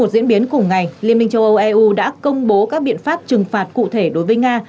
diễn biến cùng ngày liên minh châu âu eu đã công bố các biện pháp trừng phạt cụ thể đối với nga